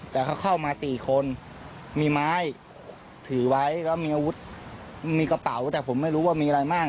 แต่เขาเข้ามาสี่คนมีไม้ถือไว้แล้วมีอาวุธมีกระเป๋าแต่ผมไม่รู้ว่ามีอะไรมั่ง